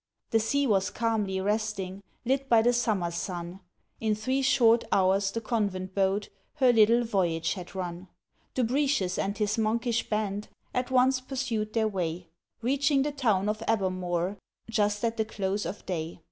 The sea was calmly resting, Lit by the summer's sun; In three short hours the Convent boat Her little voyage had run. Dubritius and his monkish band At once pursued their way, Reaching the town of Abermawr Just at the close of day.